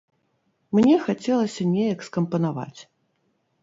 Мне хацелася неяк скампанаваць.